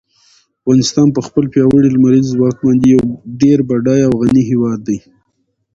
افغانستان په خپل پیاوړي لمریز ځواک باندې یو ډېر بډای او غني هېواد دی.